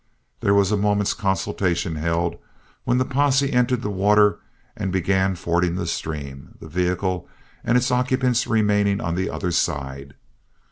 There was a moment's consultation held, when the posse entered the water and began fording the stream, the vehicle and its occupants remaining on the other side.